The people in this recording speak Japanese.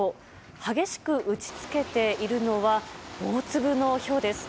激しく打ち付けているのは大粒のひょうです。